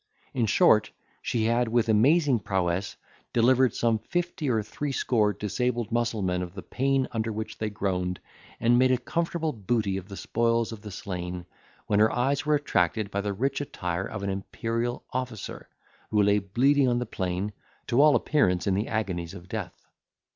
In short, she had, with amazing prowess, delivered some fifty or threescore disabled Mussulmen of the pain under which they groaned, and made a comfortable booty of the spoils of the slain, when her eyes were attracted by the rich attire of an Imperial officer, who lay bleeding on the plain, to all appearance in the agonies of death.